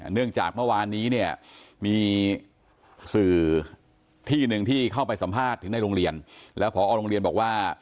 เนื่องจากเมื่อวานนี้เนี่ยมีสื่อที่หนึ่งที่เข้าไปสัมภาษณ์ถึงในโรงเรียนแล้วพอโรงเรียนบอกว่า